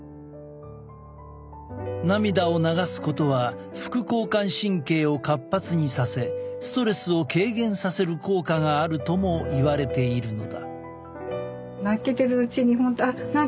涙を流すことは副交感神経を活発にさせストレスを軽減させる効果があるともいわれているのだ。